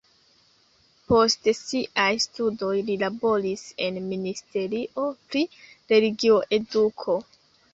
Post siaj studoj li laboris en ministerio pri religio-eduko.